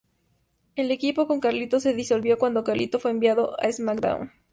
El equipo con Carlito se disolvió cuando Carlito fue enviado a "SmackDown!